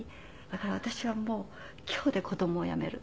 だから私はもう今日で子供をやめる。